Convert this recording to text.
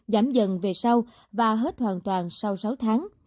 giảm dần về sau và hết hoàn toàn sau sáu tháng